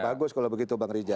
bagus kalau begitu bang rija